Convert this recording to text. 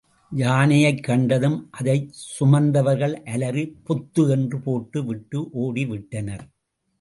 யானையைக் கண்டதும் அதைச் சுமந்தவர்கள் அலறி பொத்து என்று போட்டு விட்டு ஓடி விட்டனர்.